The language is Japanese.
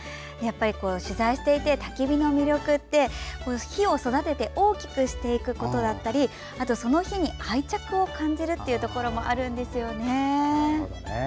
取材していてたき火の魅力って火を育てて大きくしていくことだったりその日に愛着を感じるところもあるんですよね。